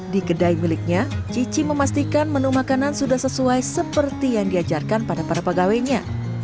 di kedai miliknya cici memastikan menu makanan sudah sesuai seperti yang diajarkan pada para pegawainya